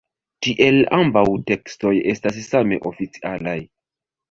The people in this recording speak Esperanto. Tiel ambaŭ tekstoj estas same oficialaj.